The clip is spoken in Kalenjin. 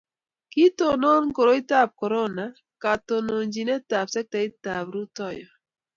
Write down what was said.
Kiitonon koroitab korona katononchinetab sektaitab rutoiyo